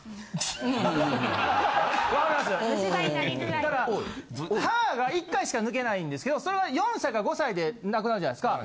だから歯が一回しか抜けないんですけどそれは４歳か５歳でなくなるじゃないですか。